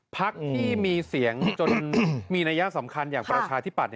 พักที่มีเสียงจนมีนัยสำคัญอย่างประชาธิปัตย